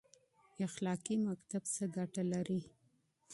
اخلاقي مکتب څه ګټه لري؟